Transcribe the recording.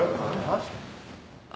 あ。